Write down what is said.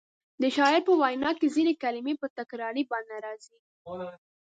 د شاعر په وینا کې ځینې کلمې په تکراري بڼه راځي.